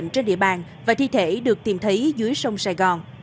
trên địa bàn và thi thể được tìm thấy dưới sông sài gòn